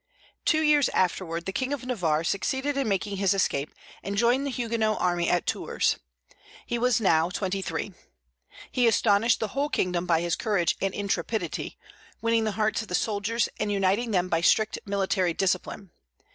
Two years afterward the King of Navarre succeeded in making his escape, and joined the Huguenot army at Tours. He was now twenty three. He astonished the whole kingdom by his courage and intrepidity, winning the hearts of the soldiers, and uniting them by strict military discipline.